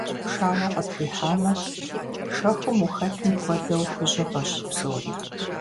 Пшагъуэ къытрихьамэ, шэхум ухэтым хуэдэу хужьыгъэщ псори.